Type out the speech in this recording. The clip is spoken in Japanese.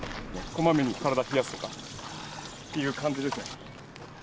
こまめに体冷やすとか、という感じですね。